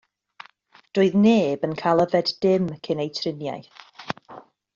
Doedd neb yn cael yfed dim cyn eu triniaeth.